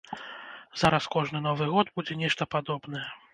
Зараз кожны новы год будзе нешта падобнае.